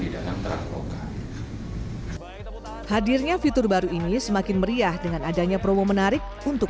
di dalam transport hadirnya fitur baru ini semakin meriah dengan adanya promo menarik untuk